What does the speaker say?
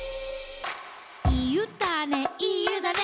「いい湯だねいい湯だね」